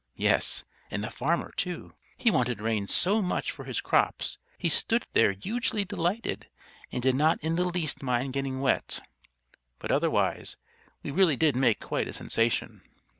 Yes and the farmer too! He wanted rain so much for his crops, he stood there hugely delighted, and did not in the least mind getting wet. But otherwise we really did make quite a sensation."